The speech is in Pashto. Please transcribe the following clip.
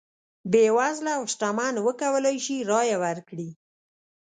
بېوزله او شتمن وکولای شي رایه ورکړي.